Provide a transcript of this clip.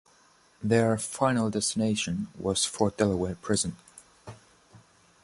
Their final destination was Fort Delaware Prison.